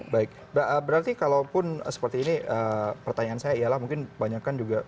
baik berarti kalaupun seperti ini pertanyaan saya ialah mungkin banyak kan juga